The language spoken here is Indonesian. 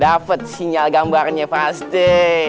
dapet sinyal gambarnya pasti